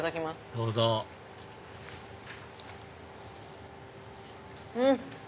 どうぞうん！